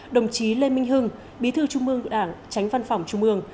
đồng chí lê minh hưng bí thư trung ương đảng tránh văn phòng trung mương